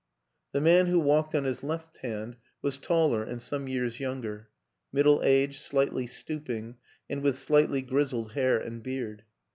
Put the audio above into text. The man who walked on his left hand was taller and some years younger middle aged, slightly stooping and with slightly grizzled hair and beard.